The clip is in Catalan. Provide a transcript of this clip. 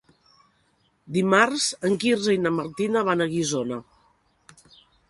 Dimarts en Quirze i na Martina van a Guissona.